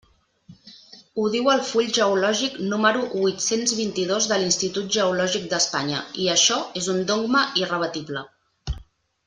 Ho diu el full geològic número huit-cents vint-i-dos de l'Institut Geològic d'Espanya, i això és un dogma irrebatible.